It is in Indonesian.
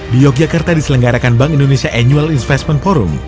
di yogyakarta diselenggarakan bank indonesia annual investment forum